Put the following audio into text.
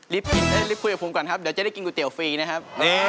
ได้รีบคุยกับผมก่อนครับเดี๋ยวจะได้กินก๋วเตี๋ฟรีนะครับ